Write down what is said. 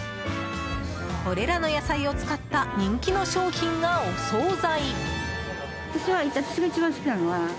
これらの野菜を使った人気の商品が、お総菜。